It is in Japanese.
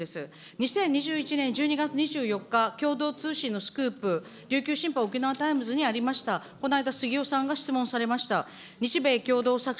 ２０２１年１２月２４日、共同通信のスクープ、琉球新報、沖縄タイムズにありました、この間、杉尾さんが質問されました。